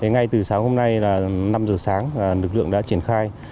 ngay từ sáng hôm nay là năm giờ sáng lực lượng đã triển khai